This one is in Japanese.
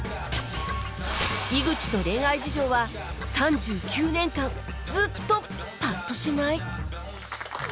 井口の恋愛事情は３９年間ずっとパッとしない